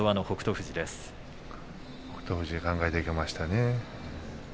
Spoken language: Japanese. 富士考えていきましたね。